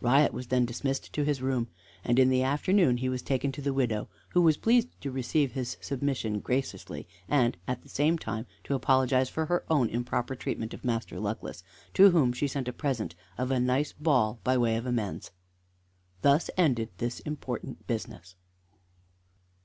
Riot was then dismissed to his room, and in the afternoon he was taken to the widow, who was pleased to receive his submission graciously, and at the same time to apologize for her own improper treatment of Master Luckless, to whom she sent a present of a nice ball by way of amends. Thus ended this important business.